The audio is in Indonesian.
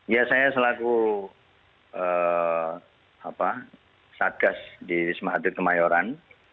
ya saya selaku satgas di wisma atlet kemayoran